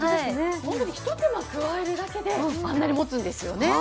一手間加えるだけであんなに持つんですよね